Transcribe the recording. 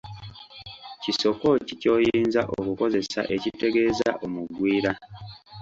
Kisoko ki kyoyinza okukoseza ekitegeeza Omugwira?.